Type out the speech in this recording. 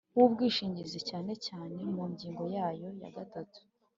w ubwishingizi cyane cyane mu ngingo yayo ya gatanu